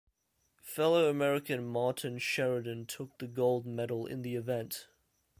Fellow American Martin Sheridan took the gold medal in the event.